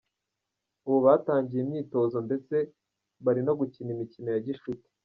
Ubu batangiye imyitozo ndetse bari no gukina imikino ya gishuti.